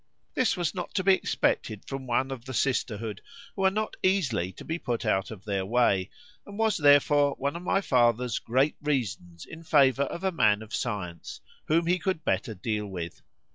This was not to be expected from one of the sisterhood, who are not easily to be put out of their way,——and was therefore one of my father's great reasons in favour of a man of science, whom he could better deal with.